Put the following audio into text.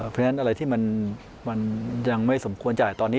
เพราะฉะนั้นอะไรที่มันยังไม่สมควรจ่ายตอนนี้